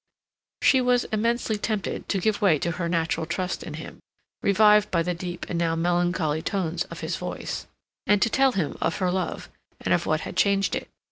She was immensely tempted to give way to her natural trust in him, revived by the deep and now melancholy tones of his voice, and to tell him of her love, and of what had changed it.